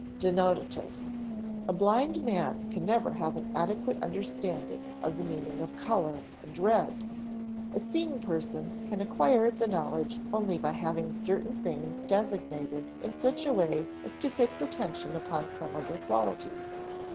Denotative. A blind man can never have an adequate understanding of the meaning of color and red; a seeing person can acquire the knowledge only by having certain things designated in such a way as to fix attention upon some of their qualities.